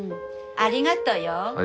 ありがとう。